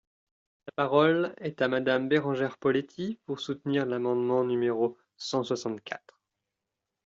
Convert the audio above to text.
La parole est à Madame Bérengère Poletti, pour soutenir l’amendement numéro cent soixante-quatre.